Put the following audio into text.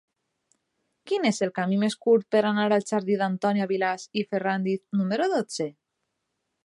Quin és el camí més curt per anar al jardí d'Antònia Vilàs i Ferràndiz número dotze?